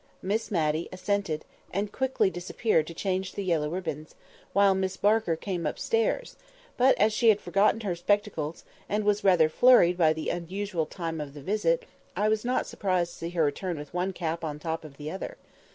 Miss Matty assented, and quickly disappeared to change the yellow ribbons, while Miss Barker came upstairs; but, as she had forgotten her spectacles, and was rather flurried by the unusual time of the visit, I was not surprised to see her return with one cap on the top of the other.